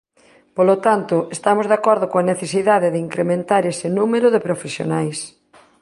Polo tanto, estamos de acordo coa necesidade de incrementar ese número de profesionais.